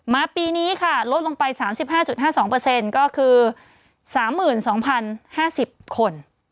ปีนี้ค่ะลดลงไป๓๕๕๒ก็คือ๓๒๐๕๐คน